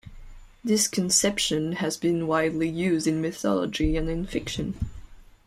This conception has been widely used in mythology and in fiction.